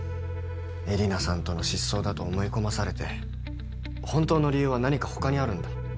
絵里奈さんとの失踪だと思い込まされてホントの理由は何か他にあるんだ。